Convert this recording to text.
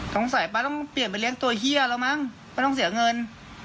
ต้องใส่ปั๊ดต้องเปลี่ยนไปเลี้ยงตัวเหี้ยเลยมั้งไม่ต้องเสียเงิน